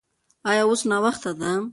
ایا اوس ناوخته ده؟